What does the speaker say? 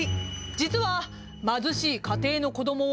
実は貧しい家庭の子どもを